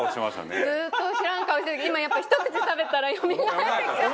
奈緒：ずっと知らん顔してたけど今、やっぱ、ひと口、食べたらよみがえってきちゃって。